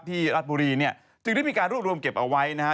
รัฐบุรีเนี่ยจึงได้มีการรวบรวมเก็บเอาไว้นะฮะ